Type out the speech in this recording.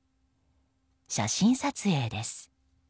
写真撮影です。